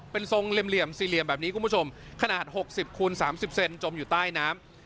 เป็นทรงเหลี่ยมสี่เหลี่ยมแบบนี้คุณผู้ชมขนาด๖๐คูณ๓๐เซนจมอยู่ใต้น้ำ